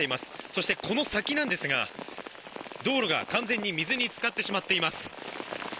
そしてこの先なんですが道路が完全に水につかってしまっています。